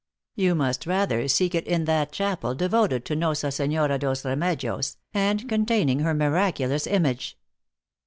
You must rather seek it in that chapel, devoted to Nossa senhora dos Remcdiosj and containing her miraculous image.